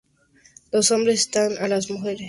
Los hombres cantan a las mujeres las populares rondas.